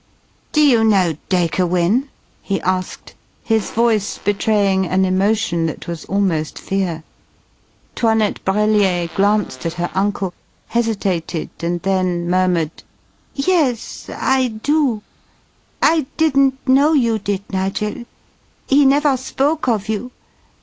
"Do you know Dacre Wynne?" he asked, his voice betraying an emotion that was almost fear. 'Toinette Brellier glanced at her uncle, hesitated, and then murmured: "Yes I do. I didn't know you did, Nigel. He never spoke of you.